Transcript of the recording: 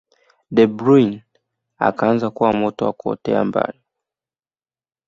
Debrune akaanza kuwa moto wa kuotea mbali